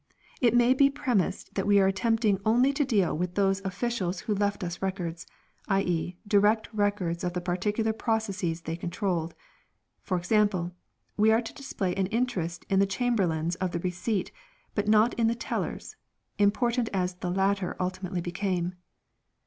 It may be premised that we are attempting only to deal with those officials who left us Records, i.e. direct Records of the particular processes they controlled ; for example, we are to display an interest in the Chamberlains of the Receipt but not in the Tellers, important as the latter ultimately became.